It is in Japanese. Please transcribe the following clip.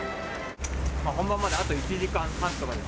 本番まであと１時間半とかですけど。